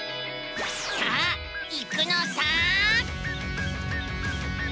さあ行くのさ！